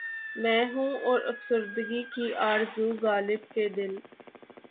میں ہوں اور افسردگی کی آرزو غالبؔ کہ دل